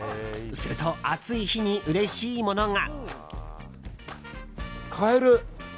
すると暑い日にうれしいものが。